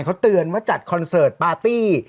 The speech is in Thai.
เขาเตือนว่าจัดคอนเสิร์ตปาร์ตี้